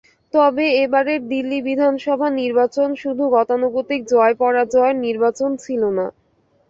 তবে এবারের দিল্লি বিধানসভা নির্বাচন শুধু গতানুগতিক জয়-পরাজয়ের নির্বাচন ছিল না।